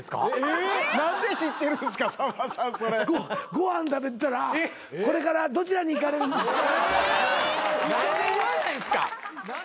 ご飯食べてたら「これからどちらに行かれるんですか？」